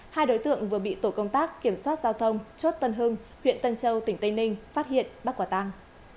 hai đối tượng vừa bị tổ công tác kiểm soát giao thông chốt tân hưng huyện tân châu tỉnh tây ninh phát hiện bắt quả tăng